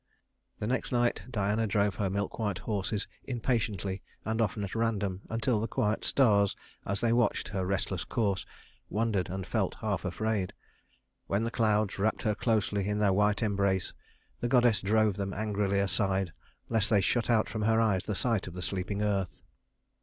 The next night Diana drove her milk white horses impatiently and often at random, until the quiet stars, as they watched her restless course, wondered and felt half afraid. When the clouds wrapped her closely in their white embrace, the goddess drove them angrily aside, lest they shut out from her eyes the sight of the sleeping earth.